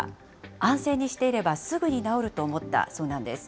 安静にしていればすぐに治ると思ったそうなんです。